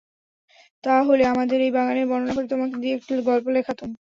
তা হলে আমাদের এই বাগানের বর্ণনা করে তোমাকে দিয়ে একটা গল্প লেখাতুম।